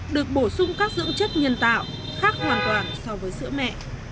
được bổ sung các dưỡng chất nhân tạo khác hoàn toàn so với sữa mẹ